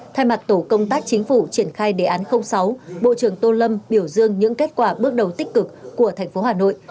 thay mặt tổ công tác chính phủ triển khai đề án sáu bộ trưởng tô lâm biểu dương những kết quả bước đầu tích cực của thành phố hà nội